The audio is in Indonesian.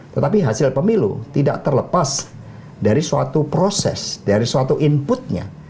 tetapi hasil pemilu tidak terlepas dari suatu proses dari suatu inputnya